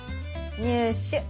「入手」。